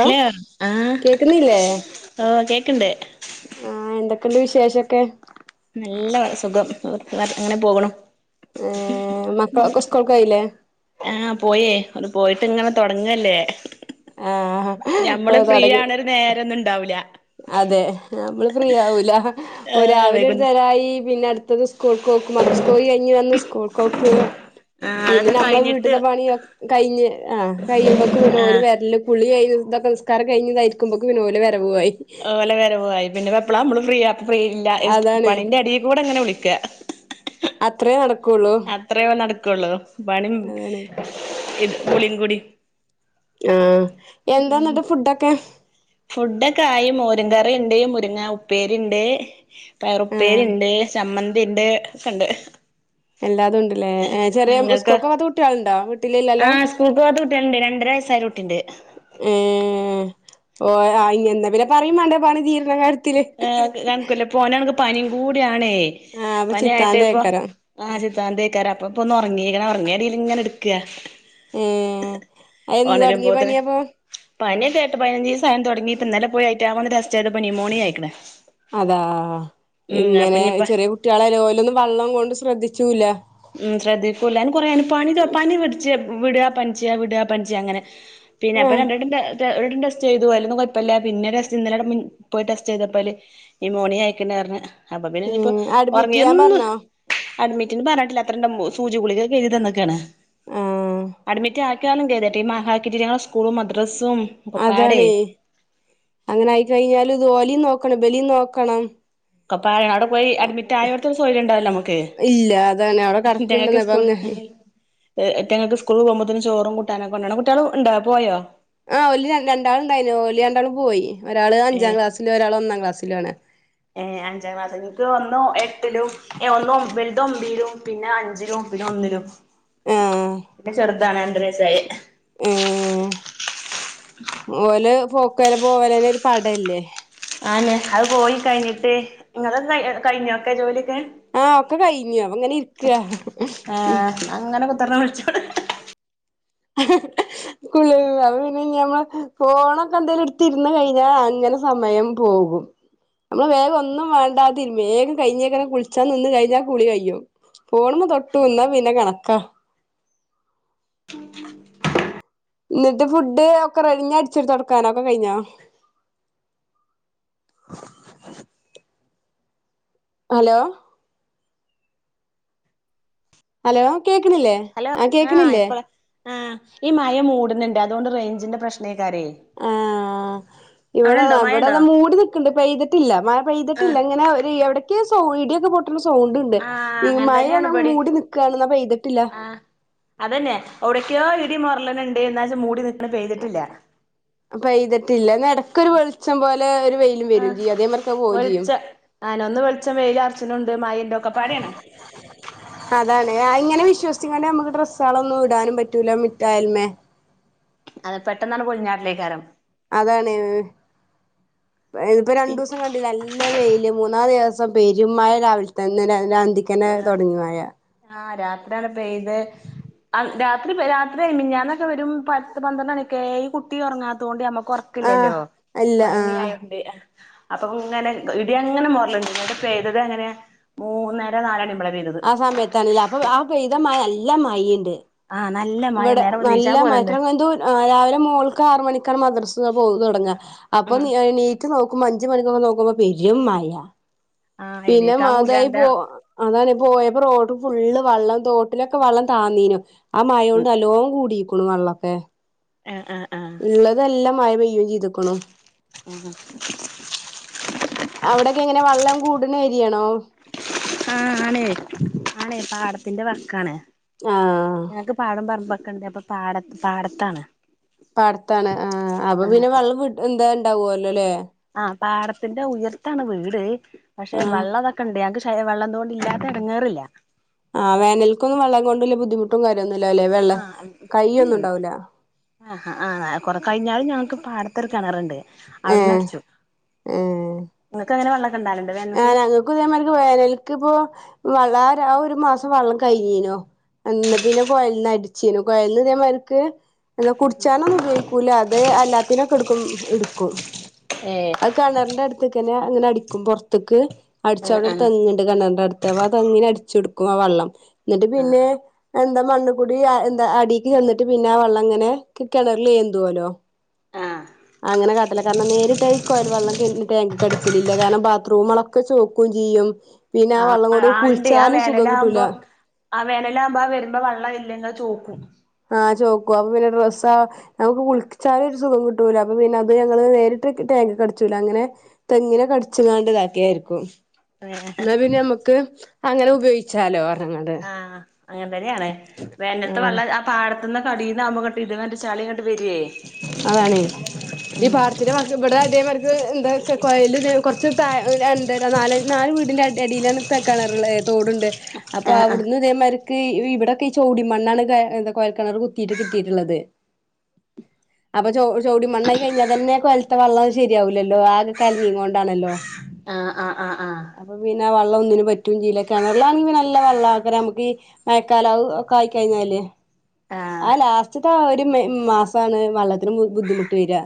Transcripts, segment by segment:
Hello ആ കേക്കുന്നില്ലേ കേൾക്കുന്നുണ്ടോ കേൾക്കണ്ട് എന്തുണ്ട് വിശേഷം ഒക്കെ നല്ല സുഖം അങ്ങനെയൊക്കെ അങ്ങ് പോവാണ് ഏ മക്കളൊക്കെ സ്കൂൾകോയിലെ ആഹ് പോയേ ഒരു പോയിട്ട് ഇങ്ങനെ തുടങ്ങല്ലേ ആഹ് ഇപ്പൊ നമ്മള് തൊടങ്ങി ഫ്രീയവണ ഒരു നേരന്നും ഇണ്ടാവൂല അതെ നമ്മള് ഫ്രീയാവൂല ഏഹ് രാവിലെ ഒരു വൈകുന്ന [unintelligible] പിന്നെ അടു അടുത്തത് സ്കൂൾക്കോക്ക് മദ്രസ കഴിഞ്ഞ് വന്ന് സ്കൂൾക്കോക്ക് ആഹ് പിന്നെ അതൊക്കെ നമ്മളെ കഴിഞ്ഞിട്ട് വീട്ടിൽത്തെ പണി ഒക്കെ കഴിഞ്ഞ് ആ കായുമ്പെക്ക് പിന്നെ ഓല് ആഹ് വേരലും കുളി കഴി ഇതൊക്കെ നിസ്കാരം കഴിഞ്ഞ് ഇതായി ഇരിക്കുമ്പേൾക്ക് പിന്നെ ഓലെ വരവുആയി ഓലെ വെരവുആയി പിന്നെ ഇപ്പൊ എപ്പള നമ്മൾ ഫ്രീ ആ ഫ്രീ ഇല്ല എസ് അതാണ് പണിന്റെ എടികുടി ഇങ്ങനെ വിളിക്ക അത്രേ നടക്കുള്ളൂ അത്രയോ നടക്കുള്ളൂ പണിം അതാണ് [unintelligible] ഇത് കുളിങ്കുടി ആ എന്താ മം എന്നിട്ട് ഫുഡൊക്കെ ഫുഡ്ഡൊക്കെ ആയി മോരും കറി ഉണ്ട് മു പിന്നെ ഉപ്പേരിണ്ട് ആഹ് പയറുപ്പേരിണ്ട് ചമ്മന്തി ഇണ്ട് ഒക്കെണ്ട് എല്ലാതും ഉണ്ടല്ലേ എ ചെറിയ സ്കൂൾക്ക് പോവാത്ത കുട്ടികളുണ്ടോ വീട് ആ സ്കൂൾക്ക് പോവാത്ത കുട്ടിയാള്ണ്ട് രണ്ടര വയസായഒരു കുട്ടിണ്ട് ഓ ആ ഇങ്ങന്നാ പിന്നെ പറയും മണ്ട പാണി തീര്നക നക്കല്ല പോ പനി കൂടിയാ ണെ ആഹ് അപ്പൊ പനിയായിട്ട് ഇപ്പൊ ചിത്താന്തേക്കാരം ആ ചിത്താന്തേകാരം അപ്പഠ ഇപ്പൊ ഒന്ന് ഉറങ്ങിക്ണ് ഉറങ്ങിയ [unintelligible] ഇങ്ങനെ ഇട്ക്ക ഉം എന്ന് തുടങ്ങിയ പനിയപ്പൊ പനിക്കെ എട്ട് പതിനഞ്ചിസം ആയ്ണ് തുടങ്ങീട്ട് ഇന്നലെ പോയിട്ട് അയ്ച്ചമെന്ന് ടെസ്റ്റ്‌ ചെയ്തപ്പോ നിമോണിയ ആയി [unintelligible] അതാ ഇങ്ങനെ ഇഞ്ഞിപ്പ ചെറിയ കുട്ട്യോളല്ലെ ഓലൊന്നും വള്ളം കൊണ്ട് ശ്രദ്ധിച്ചു ചൂല്ല മം ശ്രദ്ധിക്കൂല അയിന് കൊറേ പനി പനി പിടിച്ച് വിടാ പനിച്ച വിടാ പനിച്ച അങ്ങനെ പിന്നെ ആഹ് അപ്പൊരണ്ടട്ടം ഒരുവട്ടം ടെസ്റ്റ് ചെയ്തു അതിലൊന്നും കുഴപ്പല്ല പിന്നെ ടെസ്റ്റ് ഇന്നലെ മിൻ പോയി ടെസ്റ്റ് ചെയ്തു അപ്പൊ അയില് നിമോണിയ ആയിക്ക്ണ് പറഞ്ഞു അപ്പം പിന്നെ ഉം ഇനിയിപ്പം അഡ്മിറ്റ് ഒറങ്ങിയ ചെയ്യാൻ എന്നും പറഞ്ഞോ അഡ്മിറ്റ്ന്ന് പറഞ്ഞിട്ടില്ല [unintelligible] സൂജി കുളികക്കെ എഴുതി തന്നക്കാണ് ആഹ് അഡ്മിറ്റ് ആ [unintelligible] സ്കൂളും മദ്രസ് അതാണ് അങ്ങനായി കഴിഞ്ഞാല് ജോലിയും നോ ഇവനെയും നോക്കണം പാലാനാട് പോയി അഡ്മിറ്റായട്ത്തും സൊയ്ര്യം ഉണ്ടാവൂല നമുക്ക് ഇല്ല അതാണ് അവിടെ കെടക്കണ്ടെന്ന് [unintelligible] അപ്പ സ്കൂൾ അങ്ങനെ [unintelligible] ഏ എറ്റങ്ങൾക്ക് സ്കൂളിൽ പോവുമ്പത്തന്നെ ചോറും കൂട്ടാനും ഒക്കെ കൊണ്ടോണം കുട്യള് ഉണ്ടാ പോയോ ആഹ് ഓല് രൺ രണ്ടാളും ഉണ്ടായീനു രണ്ടാളും പോയി ഒരാള് അഞ്ചാം ഏഹ് ക്ലാസ്സിലും ഒരാള് ഒന്നാം ക്ലാസ്സിലും ആണ് ഇത് ഒന്നു എട്ടിലും ഒന്ന് ഒമ്പ് വലുത് ഒമ്പിലും പിന്നെ അഞ്ചിലും ഒമ്പിലും ഒന്നിലും ചെറു രണ്ടര വയസായി ഉം ഓല് [unintelligible] പോവലന്നെ ഒരു പടയില്ലേ ആന്ന് അത് പോയി കഴിഞ്ഞിട്ട് നിങ്ങള് നയി കഴിഞ്ഞോ ഒക്കെ ജോലി ആ ഒക്കെ കഴിഞ്ഞു അങ്ങനെ ഇരിക്കാ ഉം ആഹ് [unintelligible] [unintelligible] അത് പിന്നെ ഞമ്മൾ ഫോണൊക്കെ എന്തേലും എടുത്ത് ഇരുന്ന് കഴിഞ്ഞ അങ്ങനെ സമയം പോകും നമ്മള് വേറെ ഒന്നും വേണ്ടദിൻ വേഗം കഴിഞ്ഞേക്കണ് കുളിച്ചാൻ നിന്ന് കഴിഞ്ഞ കുളി കഴിഞ്ഞു ഫോണുമെ തൊട്ടു നിന്ന പിന്നെ കണക്കാ എന്നിട്ട് ഫുഡ് ഒക്കെ റെഡി പിന്നെ അടിച്ചിര് തൊടക്കാനൊക്കെ കഴിഞ്ഞോ ഹലോ ഹലോ കേക്ക്ണില്ലേ ആഹ് കേക്ക്ണില്ലേ ആ ഈ മഴ മൂടുന്നുണ്ട് അതോണ്ട് റെയ്ഞ്ചിൻ്റെ പ്രശ്നാ ആഹ് ഇവിടെ അവിടെണ്ടോ ഇവിടെ മഴണ്ടോ ദാ മൂടി നിക്ക്ണ്ട് പെയ്തിട്ടില്ല മഴ ആഹ് പെയ്തിട്ടില്ല ഇങ്ങനെ ഒരു എവിടെ [unintelligible] ഇടിയൊക്കെ പൊട് സൗണ്ടുണ്ട് ആഹ് ഈ അങ്ങനെ തന്നെയാണ് മയയെന്ന ഇബടിം മൂടി നിക്കാണ് ന പെയ്തിട്ടില്ല ആഹ് അതന്നെ എവിടേക്കോ ഇടി മൊരള്ണുണ്ട് എന്നാച്ച മൂടി നിക് പെയ്തിട്ടില്ല എന്നാ എടക്കൊരു വെളിച്ചം പോലെ ഒരു- വെയിലും വരും ആഹ് ചെയ്യും അതേമാർക്ക് അത് പോവും ചെയ്യും വെളിച്ച ആ നന്നു വെളിച്ചം വെയിലാർച്ചണുണ്ട് മയേറ്റൊക്കെ [unintelligible] അതാണ് ആ ഇങ്ങനെ വിശ്വസിച്ചങ്ങാണ്ട് നമക്ക് ഡ്രസ്സുകളൊന്നും ഇടാനും പറ്റൂല മിറ്റായിൽമെ അത് പെട്ടന്നാണ് [unintelligible] അതാണ് ഉം ഇതിപ്പം പി രണ്ടൂസം കണ്ടില്ലെ നല്ല വെയിലും മൂന്നാ [unintelligible] പെരുമ്മഴ രാവിൽ തന്നെ ലെ അന്തിക്കെന്നെ തൊടങ്ങി മഴ പെയ്തെ രാത്രി പെ രാത്രിയ് മിഞ്ഞാന്നൊക്കെ വരും പത്ത് പന്ത്രണ്ട് മണിയൊക്കായി ഈ കുട്ടി ഒറങ്ങാതോണ്ട് ഞ ആഹ് ഒറക്കില്ലല്ലോ അല്ല ആഹ് വയന്നിലായൊണ്ട് അപ്പൊ ഇങ്ങനെ ഇടി അങ്ങനെ മൊർള്ണ് ണ്ട് ഇന്നട്ട് പെയ്തതെങ്ങനെ മൂന്ന രനാലണി മ്പളേ ആ സമയത്താണ് ലേ അപ്പൊ ആ പെയ്ത മഴ ന ല്ല മഴീണ്ട് ആഹ് നല്ല മഴ ഇവടെ നേരം വെളുത്ത് നല്ല നീച്ചാൻ മഴ പോലുണ്ട് ഇത്ര [unintelligible] എന്തോ ആഹ് രാവിലെ മോൾക്കാറ് മണിക്കാണ് മദ്ര സ [unintelligible] പോവ് തൊടങ്ങ അപൊ എണീറ്റ് നോ ക്കുമ്പം അഞ്ച് മണി ക്കൊക്കെ നോക്കുമ്പൊ പെരുമ്മഴ ആഹ് പിന്ന എണീക്കാൻ മാ തായി പൂതിയാവ്ണ്ട് പോ അതാണ് പോയപൊ റോഡും ഫുള്ള് വള്ളം തൊട്ടിലൊക്കെ വള്ളം താന്നീനു ആ മയോണ്ട് നല്ലോം കൂടി കുണു വള്ളം ഒക്കെ എ ആ ഇള്ളത് നല്ലം മഴ പെയ്യും ചിതുകുണു ഉം ഉം അവ്ടെക്കെങ്ങനെ വള്ളം കൂട്ണ ഏരിയേ ണോ തിന്റെ വക്കാണ് ഞങ്ങക് പാടം പറമ്പ് ഒക്കണ്ടേ അപൊ പാടത് പാടത്താണ് പാടത്താണ് ആഹ് അപൊ പിന്നെ വള്ളം വിട് എന്താ ണ്ടാവോലലെ ആ പാടത്തിന്റെ ഉയര്ത്താണ് വീട് പഷേ ആഹ് വള്ളം തൊക്കണ്ട് ഞങ്ങക് ഷ് ഏഹ് വള്ളംതോണ്ട് ഇല്ലാത്തെടങ്ങേറില്ല ആഹ് വേനൽകും വള്ളം കൊണ്ട് ല്ല ബുദ്ധിമുട്ടും കാര്യൊന്നു ആഹ് ഉം ആഹ് ആ കുറെ കഴിഞ്ഞാലും ഞങ്ങക് പാടത്തൊരു കെണറ്ണ്ട് അവ്ട്ന്ന് ഏഹ് അടിച്ചും ഏഹ് ഇങ്ങക്കെങ്ങനെ വള്ളം ആഹ് ഞങ്ങകും ഇതേ മാരിക് വേനൽക് ഇപൊ വള്ളാ രാ ആ ഒരു മാസം വള്ളം കഴിഞ്ഞീനു എന്ന് പിന്നെ കൊയൽ ന്ന് അട് ച്ചിനു കൊയൽന്ന് ഇതേ മാതിരിക്ക് വെള്ളം കുടിച്ചാൻ ഒന്നും ഉപയോഗിക്കൂല്ല അത് അല്ലാത്തീനൊക്കെ ഇടുക്കും ഇടുക്കും ഏഹ് അത്‌ കിണറിന്റെ അടുത്ത്ക്കന്നെ അങ്ങനെ അടിക്കും പൊർ തൊക്കെ അടിച്ച ആഹ് അവിടെ ഒരു ആഹ് തെങ്ങ് ഇണ്ട് കിണറിന്റെ അടുത്ത് ചില ഭാഗത്തു ഇങ്ങനെ അടിച്ചു കൊടുക്കും വെള്ളം എന്നിട്ട് പിന്നെ എന്താ മണ്ണികുടെഎന്താ അടിക്ക് ചെന്നിട്ട് അങ്ങനെ വെള്ളം കിണറിൽ ഏന്തോല്ലോ ആഹ് ആഹ് അങ്ങനെ കാട്ടില്ല കാരണം നേരിട്ട് ആ കോയൽ വെള്ളം ടാങ്കിക്ക് അടിക്കൽ ഇല്ല കാരണം ബാത്‌റൂമുകൾളൊക്കെ ചൊക്കും ചെയ്യും പിന്നെ ആ ആഹ് വെള്ളംകൊണ്ട് ആഹ് ഇണ്ട് ആ വേനൽ ആവുമ്പോ ആ വേനൽ ആവുമ്പോ വരുന്ന വെള്ളയില്ലേ ഇങ്ങനെ ചൊക്കും ആ ചൊക്കും അപ്പൊ പിന്നെ ഡ്രെസ്സ് നമുക്ക് കുളിച്ചാലും ഒരു സുഖം കിട്ടൂല്ല അപ്പൊ പിന്നെ ഞങ്ങൾ നേരിട്ട് ടാങ്കിക്ക് അടിച്ചുല്ല അങ്ങനെ തേങ്ങനൊക്കെ അടിച്ചാണ്ട് ഇരിക്കും ഏഹ് എന്നാ പിന്നെ നമുക്ക് അങ്ങനെ ഉപോയോഗിച്ചാലോ ആ അങ്ങനെ തന്നെ ആണ് വേനൽത്തെ ആഹ് വെള്ളം ആ പാടത്തെ ഇത് അറിയുന്ന ആവുമ്പോ ഇതിന്ന് ചളി അങ്ങിട്ടു വരേ അതാണ് ഈ പാടത്തിന്റെ ഇവിടെ അതേ മാതിരിക് എന്താ ക് കോയൽ [unintelligible] അപ്പൊ ആഹ് അവിടെന്ന് ഇതേ മാരിക്ക് ഇവിടെ ചോടി മണ്ണ് ആണ് കോയൽ കിണർ കുത്തിയിട്ട് കിട്ടിയിട്ടുള്ളത് അപ്പൊ ചോടി മണ്ണ് ആയിക്കഴിഞ്ഞത്തന്നെ കോയലത്തെ വെള്ളം ശരിയാവില്ലല്ലോ ആകെ കലങ്ങികൊണ്ടണല്ലോ ആ ആ ആ പിന്നെ വള്ളം ഒന്നിനും പറ്റും ചെയ്യില്ല കിണറിൽ അണ്ണെങ്കിൽ നല്ല വള്ളം നമുക്ക് മഴാക്കാലം ഒക്കെ ആയിക്കാഴിഞ്ഞാൽ ആഹ് ആ ലാസത്തെത്തെ ആ ഒരു ഒരു മെയ്‌ മാസയാണ് വെള്ളത്തിനു ബുദ്ധിമുട്ട് വരാ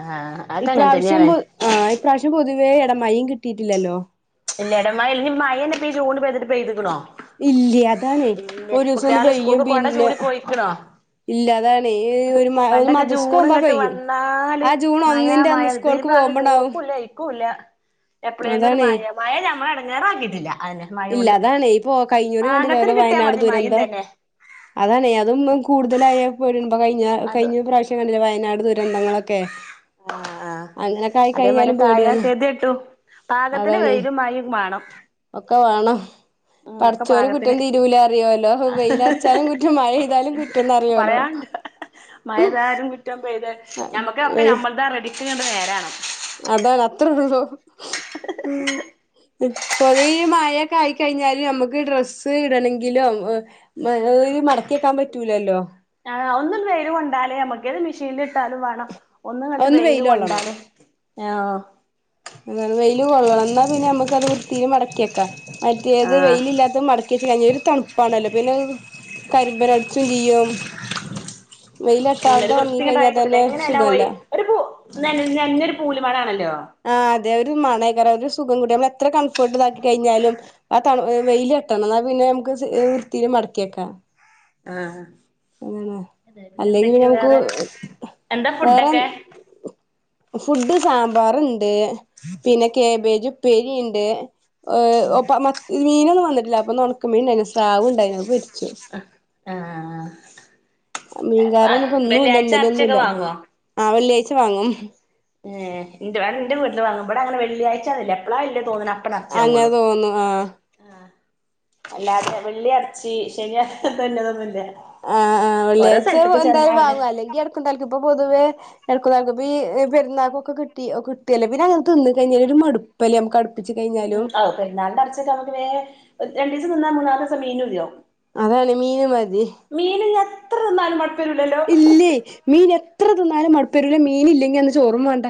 ആഹ് ആഹ് ഈ അതങ്ങനെ പ്രാവശ്യം തന്നെയാണ് ആ ഈ പ്രാവശ്യം പൊതുവെ ഇട മഴയ്യും കിട്ടിയിട്ടില്ലല്ലോ ഇല്ല ഇടമാഴയില്ല ഇനി മഴായാന്നെ ജൂൺൽ പെയ്തിരിക്കണോ ഇല്ല അതാണ് ഒരു ദിവസം ഒന്ന് കുട്ട്യാള് പെയ്യും സ്കൂൾക്ക് കൊട പിന്നെ ചൂടി പോയിക്ക്ണോ ഇല്ല അതാണെ ഈ പണ്ടൊക്കെ മദ്രസ്സക്ക് ജൂണ് പോവുമ്പോ ഇങ്ങട്ട് പെയ്യും വന്നാല് ആ ജൂൺ മഴ ഒന്നിന്റെ മഴ അന്ന് സ്കൂളിയ്ക്ക് പോവുമ്പോ ഇണ്ടാവും എപ്പോളെങ്കിലും ഒരു മഴ പിന്നെ നമ്മളെ ഇടങ്ങേറാക്കിയിട്ടില്ല ഇല്ല അതാണെ ഇപ്പൊ കഴിഞ്ഞാകൊല്ലം കണ്ടില്ലേ പാകത്തിന് ഒരേ കിട്ടിയാ വയനാട് മതി മഴിം ദുരന്തം തന്നെ അതാണെ കൂടുതൽ ആയാ പെടും ഒക്കെ കഴിഞ്ഞാൽ അതോ കഴിഞ്ഞാ പ്രാവശ്യം കണ്ടില്ലേ വയനാട് ദുരന്തം ദുരന്തങ്ങളൊക്കെ ആ ആ അങ്ങനൊക്കെ ആയി കഴിഞ്ഞാലും അതേമാതിരി ആയാ പേടിയാണ് എന്ത് കിട്ടും ഭാഗത്തിന് അതാണ് വെയിലുംമായേ വേണം ഒക്കെ വേണം ഉം ഒക്കെ പടച്ചോനെ പാകത്തിന് കുറ്റം തീരൂല അറിയൂല വെയിൽ ഉറച്ചാലും കുറ്റം മഴപെയ്താലും കുറ്റം എന്നറിയോലോ മഴപെയ്താലും കുറ്റം നമ്മൾക്കൊക്കെ നമ്മളത് റെഡി നേരാണോ അതാ അത്രയേ ഉള്ളൂ [unintelligible] ഇപ്പഴി ഈ മഴയൊക്കെ ആയി കഴിഞ്ഞാൽ നമുക്ക് ഡ്രസ്സ് ഇടണം എങ്കിലും [unintelligible] മടക്കി വെക്കാൻ പറ്റില്ലല്ലോ ഒന്ന് വെയില് കൊണ്ടാലേ നമുക്ക് അത് മെഷീനിൽ ഇട്ടാലും വേണം ഒന്നങ്ങോട്ട് അതൊന്ന് വെയില് കൊള്ളണം കൊണ്ടാലേ ഞാ ആ വെയില് കൊള്ളണം ന്നാ പിന്നെ അമക്ക് അത് വൃത്തിയിൽ മടക്കി ക്കയ്ക്കാ മറ്റേത് ആഹ് വെയിലില്ലാത്ത മടക്കിവെച്ച് കഴിഞ്ഞാൽ ഒരു ത് തണുപ്പാണല്ലോ പിന്നെ അത് കരിമ്പൻ അട്ച്ചും ചെയ്യും അങ്ങനെ ഒരു വെയിലട്ടാതെ ഒൺങ്ങി വൃത്തി കഴിഞ്ഞാ തന്നെ സുഖല്ലേ നെൻ നെഞ്ഞൊരു കൂലുമൺ ആണല്ലോ ആഹ് അതെ ഒരു മണം ആയിക്കാരം ഒരു സുഖം കിട്ടില്ല നമ്മൾ എത്ര കംഫർട്ട് ആക്കി കഴിഞ്ഞാലും ആ തൺ വെയില് എട്ടണം എന്നാ പിന്നെ നമക്ക് വൃത്തീല് മടക്കിക്കാ ആ അതുതന്നെ അല്ലെങ്കിൽ പിന്നെ നമുക്ക് വേറെ എന്താ വേറെ ഫുഡൊക്കെ ഫുഡ് സാമ്പാർ ഉണ്ട് പിന്നെ ക്യാബേജും ഉപ്പേരിയുണ്ട് ഓ ഒപ്പ മത് മീൻ ഒന്നും വന്നിട്ടില്ല അപ്പന്ന് ഒണക്കമീൻ ണ്ടായിനു സ്രാവുണ്ടായിനു അത് പൊരി ആ ആ ആ മീൻകാരൻ ഇപ്പോ ഇന്നുമില്ല ഇന്നലെ ഒന്നുമില്ല വാങ്ങോ? ആ വെള്ളിയാഴ് ച്ച വാങ്ങും ഏ ഇന്റ ന്റെ വീട്ടിൽ വാങ്ങും ഇവിടെ അങ്ങനെ വെള്ളിയാഴ്ച ന്ന്ല്ല എപ്പളാ ല്ലെ തോന്ന്ണെ അ അങ്ങനെ തോന്നുന്നു ആ അല്ലാത്ത വെള്ളി ഇറച്ചി ശനിയാഴ്ച ഇതൊന്നും ഒന്നുമില്ല ആ ആ വെള്ളിയാഴ്ച എന്തായാലും അവിടെ വാങ്ങും അല്ലെങ്കിൽ ഇടയ്ക്ക് തലക്കും ഇപ്പൊ പൊതുവേ [unintelligible] കിട്ടിയല്ലോ [unintelligible] അവ് പെരുന്നാളിന്റെ ഇർച്ചിക്കമ്മക്ക് വേം രണ്ടീസം നിന്നാൽ മൂന്നാല്സം [unintelligible] അതാണ് മീന് മതി ഇഞ്ഞ് എത്ര തിന്നാലും മട് ഇല്ലേ മീനെ എത്ര തിന്നാലും മടുപ്പ് വരില്ല മീൻ ഇല്ലെങ്കി അന്ന് ചോറും വേണ്ട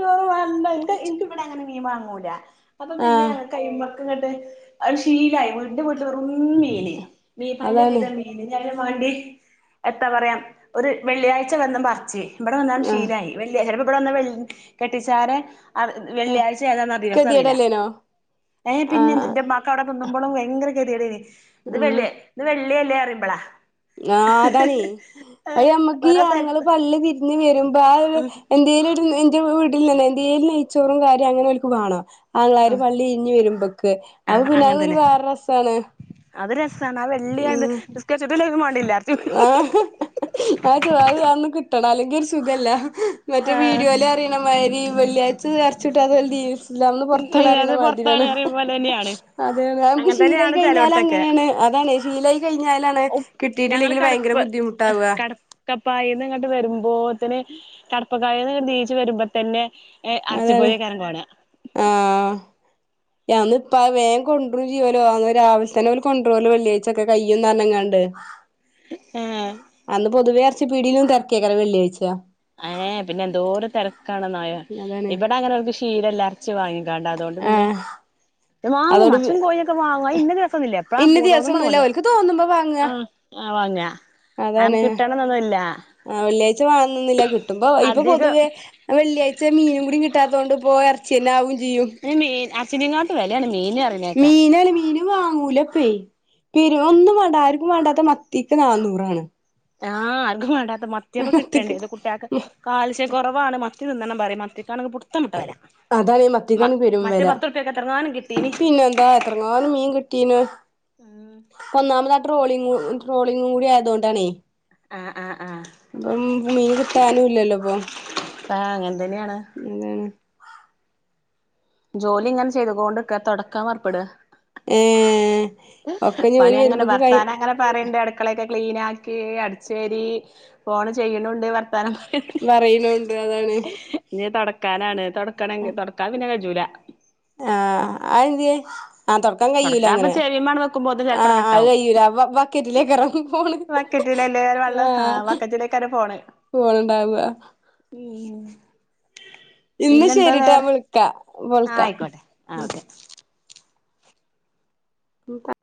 [unintelligible] എനിക്ക് ഇവിട അങ്ങന മീൻ വാങ്ങൂല്ല അപം പിന്നെ ആഹ് അങ്ങക് കയ്യുമ്പ ങ്ങട്ട് അഹ് ശീലായി വിണ്ടു വിണ്ടു റും മീന് മീ പല അതാണ് വിധ മീനുക [unintelligible] മാണ്ട്യഹ് എത്ത പറയാ ഒരു വെള്ളിയാഴ്ച വന്നമ്പറിച്ച് ഇവട വന്നാണ്ട് ആഹ് ശീലായി വെള്ളിയാ ചെലപ്പം ഇവട വന്ന വെള്ളി കെട്ടിച്ചാരെ ആ വ് ആഹ് വെള്ളിയാഴ്ച ഏതന്ന അ ദിവസ അറീല ഗതികേടല്ലേനോ ഏ പിന്നെന്ത് ആഹ് ന്റെ മ്മാക് ആടെ ത്ത്ന്ന്മ്പളു വയങ്കരത് ക്കെദ്ദ്യേടേനി ഇത് വെള്ളി ഇത് വെള് ള്ളിയെല്ലേ അറിയുമ്പള ആ അതാണേ അഹ് നമ്മക്ക് ഈ ഓരോ ആണുങ്ങള് സ്ഥലത്ത് പള്ളി വിരുന്നിന് വരുമ്പ ഒരു ഉം എന്തേലും ഒരു നിമ് [unintelligible] വിടില്ലെന്നേ എന്തേലും നെയ്‌ച്ചോറും കാര്യം അങ്ങനെ ഓൽക് വേണ അല്ലാര് പള്ളീഞ്ഞു വരുമ്പക്ക് ആഹ് അഉപിന്നെ അങ്ങനെ അഒരു തന്നെ വേറെരസാണ് അത് ര സാണ് അഹ് വെള്ളിയാണ് നിസ്‌കെ ര്ച്ചിട്ടുല്ലേ മാണ്ടില്ല [unintelligible] ന്നാല്ലെങ്കി ഒരു സുഖല്ല ങ്ഹ് മറ്റേ വീഡിയോല് അരയണ മാരി വെള്ളിയാഴ്ച ഏർച്ചി ട്ടാഞ്ഞാദീനി സ്ലാമിന്ന് പൊർത്താണ് പറയണ അത് മാതിരി പൊറത്താണ് ആണ് പറയും പോലെ തന്നെയാണ് അതെ നമ്ക്ക് അങ്ങനെ ശീലായി തന്നെയാണ് ചെലോടത്തൊക്കെ കഴിഞ്ഞലങ്ങനേണ് അതാണ് ശീലായി കഴിഞ്ഞാലാണ് കി ഞങ്ങള് കെടപ്പ് ങ്ഹ് കെടക്കപ്പായേന്ന് ഇങ്ങാട്ട് വരുമ്പോ ഓത് നെ കെടപ്പ് പ്പകയെന്ന് ന്നീച്ച് വരുമ്പ തന്നെ അതെന്നെ അറച്ചിപ്പൊരിയേക്കാരം കാണാ ആഹ് യാന്ന് പ്പ വേമ് കൊണ്ടുരൂല്ലോ അങ്ങ് രാവിൽതെന്നെ വല് കൊണ്ടോര്ല് വെള്ളിയാഴ്ച ക്ക കഴിയുംന്നർഞ് ങ്ങാണ്ട് ഹേ അന്ന് പൊതുവേ അ പീടിലും തെര്കായ്കാരം വെള്ളിയാഴ്ച ഏ പിന്നെ എന്തോരം തരം കാണാന്നായ അതാണ് ഇവട അങ്ങനോൽകി ഷ് ഹീലെല്ലാർച്ച് വാങ്ങിക്കണ്ട് അതോണ്ട് പിന്നെ ആഹ് വാങ്ങും അതോണ്ട് അറ്ച്ചീം കോയൊക്കെ വാങ്ങ അഅ് ഇന്ന ദിവസൊന്നുല്ല എപ്പ ഇന്ന ദിവസൊന്നുല്ല തോന്നുമ്പാണ്ട്വേണ്ടത് ഓൽക്ക് തോന്നുമ്പോ വാങ്ങ ആ ആ കിട്ടണംന്നൊന്നുല്ലാ ആ വെള്ളിയാഴ്ച വാണന്നൊന്നു ഇപ്പോ ഇപ്പ അധികം പൊതുവേ വെള്ളിയാഴ്ച മീനും കൂടി കിട്ടാത്തോണ്ട് പ്പൊ എർച്ച്യന്നവും പിന്നെ മീൻ അ ർച്ചിനെങ്ങാട്ട് വെലേണ് മീനി ന് പർഞ്ഞേക്കാം വാങ്ങൂലപ്പേയ് പിരിവൊന്നും വാണ്ട ആർക്കും വാണ്ടാത്ത മത്തിക്ക് നാന്നൂറാണ് ആ ആർക്കും മാണ്ടാത്ത മത്ത്യൊക്കെ കിട്ടണ്ടേ മത്തിക്ക് ഇത് കുട്ട്യക്ക് കാൽഷ്യ കൊറവാണ് മ ത്തി നിന്നണ്ണം പറിം മത്തി ക്കാണെങ്കി പുട്ത്തം വിട്ട വെല അതാണ് ഈ മ മത്തിക്കാണ് പെരും മറ്റേ വെല പത്തൂർപ്പ്യക്ക് എത്രഞാനും കിട്ടിനി ട്ടീന് ഒന്നാമത് ആ ട്രോളിംങ്ങു ട്രോളിങ്ങുടി ആയതോണ്ടാണേ അആ ഇപ്പം മീന് കിട്ടാനൂല്ലല്ലോ പ്പോ താങ്ങൻ എന്താണ് ജോലിങ്ങനെ ചെയ്ത്കോണ്ട്ക്ക തൊടക്കാം പർപ്പെടാ ഏ പണിയങ്ങനെ വർത്താങ്ങനെ പറീണ്ട ട ക്കളക്കെ ക്ലീനാക്കി അട്ച്ചേരി ഫോണ് ചെയ്യ്ണുണ്ട് വർ ത്താനം പറി പറയ്ണുണ്ട് അതാണ് [unintelligible] ഇനി തൊടക്കാനാണ് തൊട്ക്കണെങ്കി തൊടക്കാൻ പിന്നെ ജൂലാ ആ അഅ്ന്ത്യേ ആ തൊടക്കാൻ കഴിയൂല്ല തൊടക്കാപ്പൊ ങ്ങനെ ചെവിമാണ്ട് വെക്കുമ്പോത്തിന് ആ ചെൽപ്പണ്ട് അഅ് കട്ടാവും കയ്യൂല്ല ബ ബക്കറ്റിലെക്കാരം ഫോണ് ബക്കറ്റിലല്ലേ ആ വെള്ളം ബക്കറ്റിലേക്കാണ് ഫോണ്‌ണ്ടാവ ഈം ഇന്ന ശെരീട്ടോ ഞാ വിൾക്കാ ആ വിൾക്കാം ആയിക്കോട്ടെ ആ ഓക്കെ ഉം പ